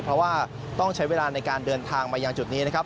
เพราะว่าต้องใช้เวลาในการเดินทางมายังจุดนี้นะครับ